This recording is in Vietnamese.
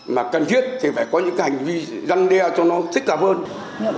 mà cần thiết thì phải có những cái hành vi gắn đeo cho nó thích hợp hơn